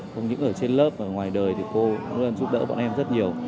không những ở trên lớp ở ngoài đời thì cô luôn giúp đỡ bọn em rất nhiều